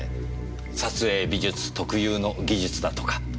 撮影美術特有の技術だとか。